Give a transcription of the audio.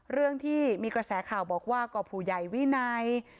เรื่องที่มีกระแสข่าวบอกว่าก็ผู้ใหญ่วินัย